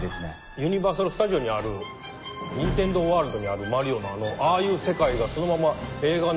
ユニバーサル・スタジオにあるニンテンドー・ワールドにあるマリオのああいう世界がそのまま映画の中に入ってるから。